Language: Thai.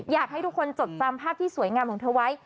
อยากให้ทุกคนจดจำภาพที่สวยงามของเธอไว้